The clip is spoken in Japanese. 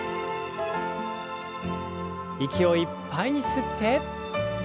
息をいっぱいに吸って。